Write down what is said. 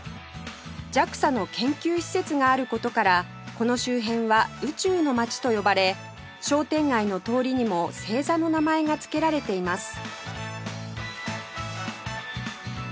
ＪＡＸＡ の研究施設がある事からこの周辺は宇宙の街と呼ばれ商店街の通りにも星座の名前が付けられています